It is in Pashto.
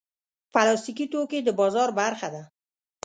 پلاستيکي توکي د بازار برخه ده.